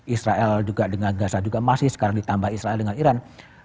israel juga dengan gaza juga masih sekarang ditambah israel dengan iran